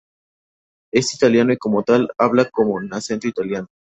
Es italiano y como tal, habla con acento italiano.